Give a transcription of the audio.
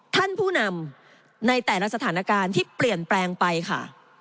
ท่านผู้นำในแต่ละสถานการณ์ที่เปลี่ยนแปลงไปค่ะ